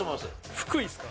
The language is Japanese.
福井っすか？